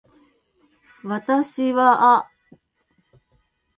私はあ